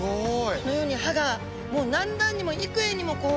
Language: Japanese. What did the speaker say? このように歯がもう何段にも幾重にもこう。